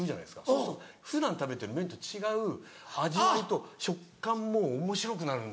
そうすると普段食べてる麺と違う味わいと食感もおもしろくなるんですよ。